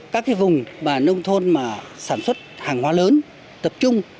các cái vùng mà nông thôn mà sản xuất hàng hóa lớn tập trung